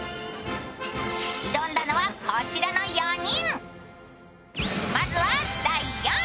挑んだのはこちらの４人。